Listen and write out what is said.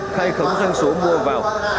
khai khống doanh số mua vào